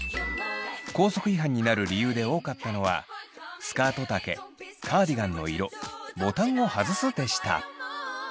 校則違反になる理由で多かったのはスカート丈カーディガンの色ボタンを外すでした。